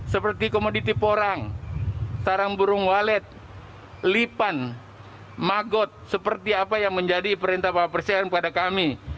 seperti komoditi porang sarang burung walet lipan magot seperti apa yang menjadi perintah bapak presiden kepada kami